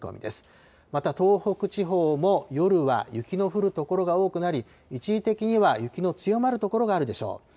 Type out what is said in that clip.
また、東北地方も夜は雪の降る所が多くなり、一時的には雪の強まる所があるでしょう。